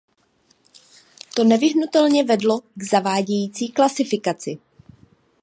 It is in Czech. To nevyhnutelně vedlo k zavádějící klasifikaci.